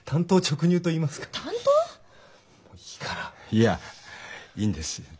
いやいいんです。